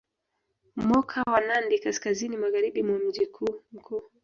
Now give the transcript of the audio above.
Moka wa Nandi kaskazini magharibi mwa mji mkuu